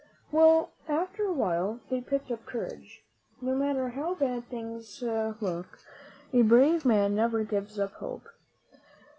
Well, after a while they picked up courage. No matter how bad things look, a brave man never gives up hope.